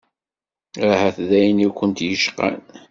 Ahat d ayen i kunt-yecqan.